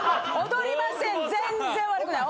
踊りません。